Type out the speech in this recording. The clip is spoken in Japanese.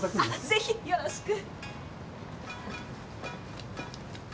ぜひよろしく。